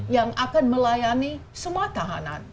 yang akan melayani semua tahanan